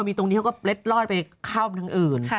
พอมีตรงนี้ก็เล็ดรอดไปเข้าไปทางอื่น